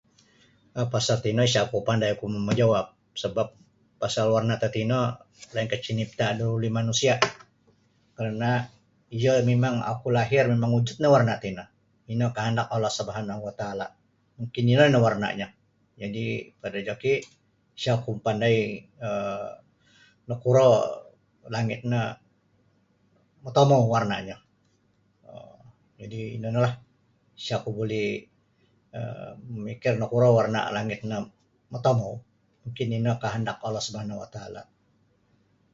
um Pasal tino isa' oku pandai oku mamajawab sebap pasal warna' tatino lainkah cinipta' da oleh manusia' karna' iyo mimang oku lahir mimang wujud nio warna' tino ino kahandak Allah subhanawata'ala' mungkin ino nio warna'nyo jadi' pada joki isa' oku mapandai um nakuro langit no motomou warna'nyo um jadi' ino no lah sa' oku buli um mamikir nakuro warna langit no motomou mungkin ino kahandak Allah subhanawata'ala'.